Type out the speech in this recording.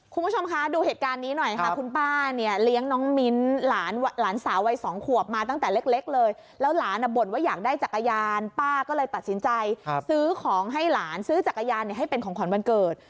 คุณผู้ชมคะดูเหตุการณ์นี้หน่อยค่ะคุณป้าเนี่ยเลี้ยงน้องมิ้นหลานสาววัยสองขวบมาตั้งแต่เล็กเลยแล้วหลานบ่นว่าอยากได้จักรยานป้าก็เลยตัดสินใจซื้อของให้หลานซื้อจักรยานให้เป็นของขวัญวันเกิด